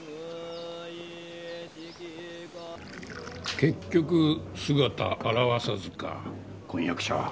結局姿現さずか婚約者は。